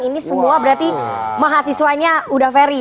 ini semua berarti mahasiswanya udaferi